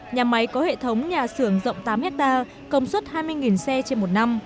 nhà máy có hệ thống nhà xưởng rộng tám hectare công suất hai mươi xe trên một năm